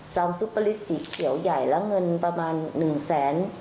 ซุปเปอร์ลิสสีเขียวใหญ่แล้วเงินประมาณ๑แสน